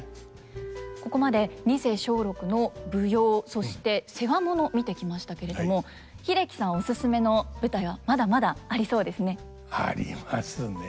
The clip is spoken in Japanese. ここまで二世松緑の舞踊そして世話物見てきましたけれども英樹さんオススメの舞台はまだまだありそうですね。ありますね。